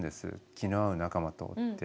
気の合う仲間とって。